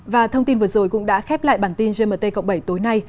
và thông tin vừa rồi cũng đã khép lại bản tin gmt cộng bảy tối nay